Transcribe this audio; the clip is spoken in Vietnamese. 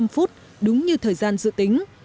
một mươi năm phút đúng như thời gian dự tính